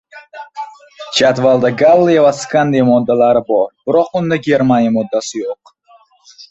Jadvalda galliy va skandiy moddalari bor, biroq unda germaniy moddasi yoʻq.